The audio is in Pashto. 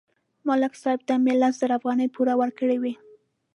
ملک صاحب ته مې لس زره افغانۍ پور ورکړې وې